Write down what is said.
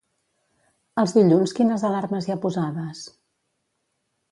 Els dilluns quines alarmes hi ha posades?